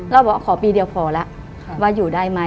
เราบอกว่าขอปีเดียวพอแล้วว่าอยู่ได้ไหม